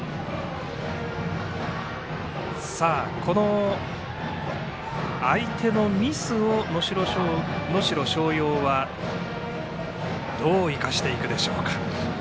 この相手のミスを能代松陽はどう生かしていくでしょうか。